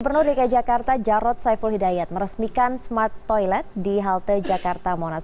pernur dki jakarta jarod saiful hidayat meresmikan smart toilet di halte jakarta monas